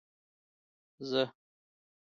زه